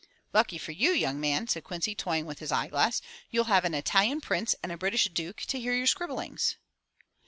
"Lucky for you, young man," said Quincy, toying with his eye glass. "You'll have an Italian prince and a British duke to hear your scribblings."